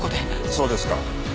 そうですか。